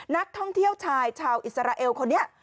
นักท่องเที่ยวชายชาวอิสราเอลคนนี้